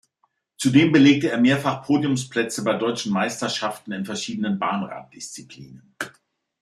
Zudem belegte er mehrfach Podiumsplätze bei Deutschen Meisterschaften in verschiedenen Bahnrad-Disziplinen.